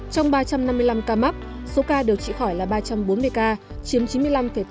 trong ba trăm năm mươi năm ca mắc số ca điều trị khỏi là ba trăm bốn mươi ca chiếm chín mươi năm tám